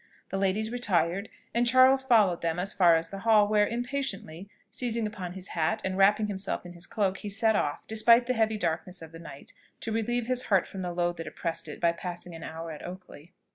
The ladies retired, and Charles followed them as far as the hall, where, impatiently seizing upon his hat, and wrapping himself in his cloak, he set off, despite the heavy darkness of the night, to relieve his heart from the load that oppressed it, by passing an hour at Oakley.